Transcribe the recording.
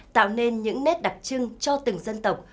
tạo nên những nét đặc trưng cho từng dân tộc